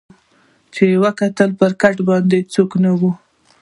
چي یې وکتل پر کټ باندي څوک نه وو